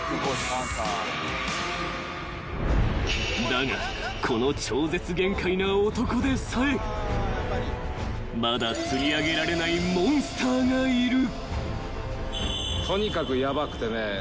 ［だがこの超絶限界な男でさえまだ釣り上げられないモンスターがいる］